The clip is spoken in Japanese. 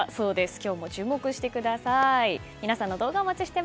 今日も注目してください。